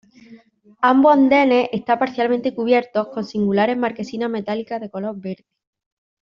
Ambos andenes está parcialmente cubiertos con singulares marquesinas metálicas de color verde.